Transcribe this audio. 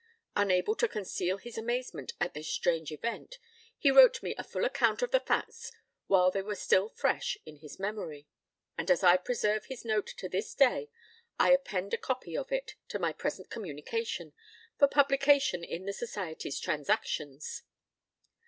Unable to conceal his amazement at this strange event, he wrote me a full account of the facts while they were still fresh in his memory: and as I preserve his note to this day, I append a copy of it to my present communication, for publication in the Society's Transactions.